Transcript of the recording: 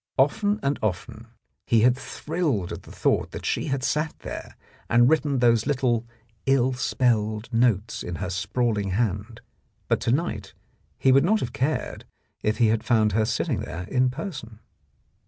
Often and often he 33 The Blackmailer of Park Lane had thrilled at the thought that she had sat there and written those little ill spelled notes in her sprawling hand, but to night he would not have cared if he had found her sitting there in person.